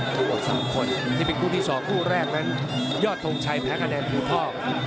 ทั้งหมด๓คนนี่เป็นคู่ที่๒คู่แรกนั้นยอดทงชัยแพ้คะแนนผิวทอก